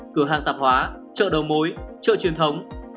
cửa hàng tạp hóa chợ đầu mối chợ truyền thống